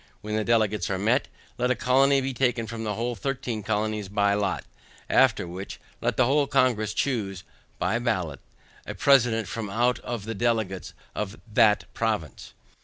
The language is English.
When the delegates are met, let a colony be taken from the whole thirteen colonies by lot, after which, let the whole Congress choose (by ballot) a president from out of the delegates of THAT province.